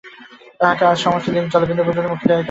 তাহাকে আজ সমস্ত দিন জলবিন্দু পর্যন্ত মুখে দেওয়াইতে পারি নাই।